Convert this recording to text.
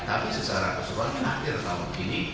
tapi secara keseluruhan akhir tahun ini